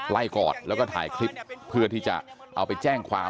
กอดแล้วก็ถ่ายคลิปเพื่อที่จะเอาไปแจ้งความ